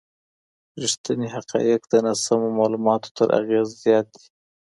ریښتیني حقایق د ناسمو معلوماتو تر اغېز زیات دي.